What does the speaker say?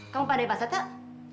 kamu pandai basah tak